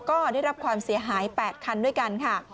ก็ได้รับความเสียหาย๘คันด้วยกันค่ะ